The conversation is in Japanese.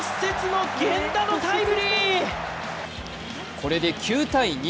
これで９−２。